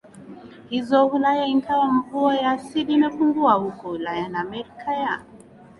hizo Ulaya Ingawa mvua ya asidi imepungua huko Ulaya na Amerika ya